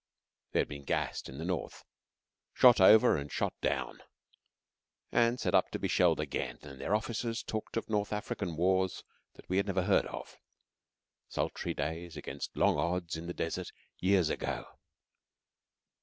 They had been gassed in the north; shot over and shot down, and set up to be shelled again; and their officers talked of North African wars that we had never heard of sultry days against long odds in the desert years ago.